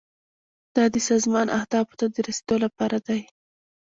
دا د سازمان اهدافو ته د رسیدو لپاره دی.